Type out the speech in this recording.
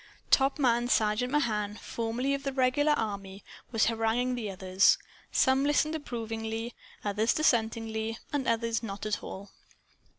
Top Sergeant Mahan, formerly of the regular army, was haranguing the others. Some listened approvingly, others dissentingly and others not at all.